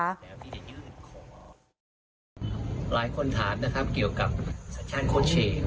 โคชเชลล์กลับมาแล้วเรียนทองมาแล้ว